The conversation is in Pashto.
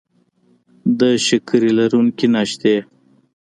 د شکرې لرونکي ناشتې